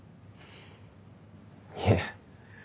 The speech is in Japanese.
いえ。